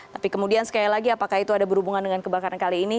tapi kemudian sekali lagi apakah itu ada berhubungan dengan kebakaran kali ini